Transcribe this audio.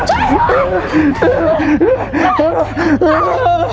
ช่วยด้วย